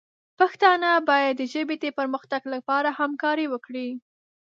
پښتانه باید د ژبې د پرمختګ لپاره همکاري وکړي.